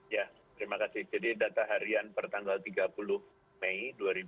ya terima kasih jadi data harian per tanggal tiga puluh mei dua ribu dua puluh